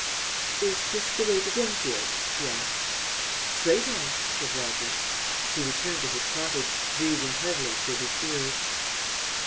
"Is this the way to Denfield?" she asked. "Straight on," said Roger. He returned to his cottage, breathing heavily through his ears.